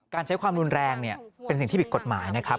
ใช้ความรุนแรงเนี่ยเป็นสิ่งที่ผิดกฎหมายนะครับ